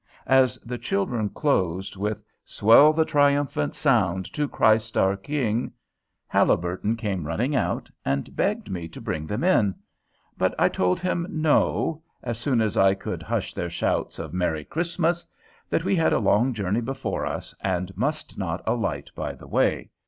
As the children closed with "Swell the triumphant song To Christ, our King," Haliburton came running out, and begged me to bring them in. But I told him, "No," as soon as I could hush their shouts of "Merry Christmas;" that we had a long journey before us, and must not alight by the way.